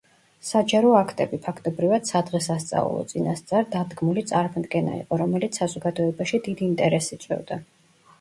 საჯარო აქტები, ფაქტობრივად, სადღესასწაულო, წინასწარ დადგმული წარმოდგენა იყო, რომელიც საზოგადოებაში დიდ ინტერესს იწვევდა.